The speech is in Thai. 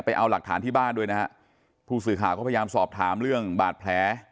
เอาหลักฐานที่บ้านด้วยนะฮะผู้สื่อข่าวก็พยายามสอบถามเรื่องบาดแผล